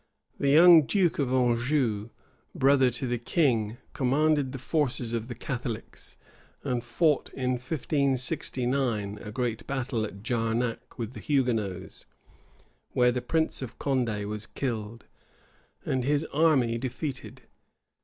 The young duke of Anjou, brother to the king, commanded the forces of the Catholics; and fought in 1569, a great battle at Jarnac with the Hugonots, where the prince of Condé was killed, and his army defeated.